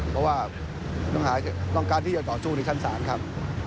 เพราะว่าน้องหายต้องการที่จะต่อสู้ในชั้นศาลครับ